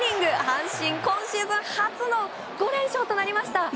阪神、今シーズン初の５連勝となりました。